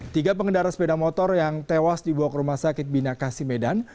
tiga pengendara sepeda motor yang tewas dibawa ke rumah sakit bina kasih medan